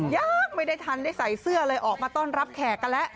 ยังไม่ได้ทันได้ใส่เสื้อเลยออกมาต้อนรับแขกกันแล้ว